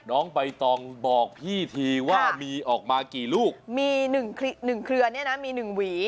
น้องใบตองบอกพี่ทีว่ามีออกมากี่ลูกมีหนึ่งหนึ่งเครือเนี่ยนะมีหนึ่งหวี